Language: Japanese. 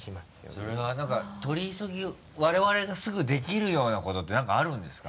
それは何か取り急ぎ我々がすぐできるようなことって何かあるんですか？